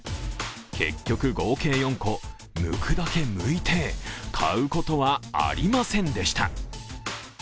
結局合計４個、むくだけむいて、買うことはありませんでした。